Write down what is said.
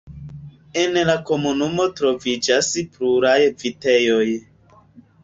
En la komunumo troviĝas pluraj vitejoj.